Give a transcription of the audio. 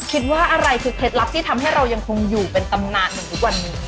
คิดว่าอะไรคือเคล็ดลับที่ทำให้เรายังคงอยู่เป็นตำนานอยู่ทุกวันนี้